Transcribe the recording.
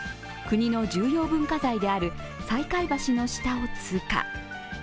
国の重要文化財である西海橋の下を通過。